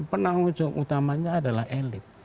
penanggung jawab utamanya adalah elit